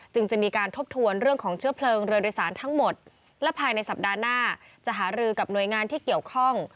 จะมีการทบทวนเรื่องของเชื้อเพลิงเรือโดยสารทั้งหมดและภายในสัปดาห์หน้าจะหารือกับหน่วยงานที่เกี่ยวข้อง